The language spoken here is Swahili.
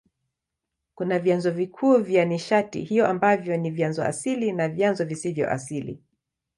Kuna vyanzo vikuu vya nishati hiyo ambavyo ni vyanzo asili na vyanzo visivyo asili.